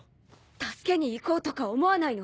助けに行こうとか思わないの？